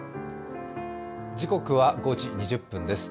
時刻は５時２０分です。